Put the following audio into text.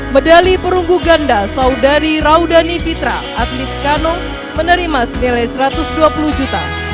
medali perunggu ganda saudari raudani fitra atlet kano menerima senilai satu ratus dua puluh juta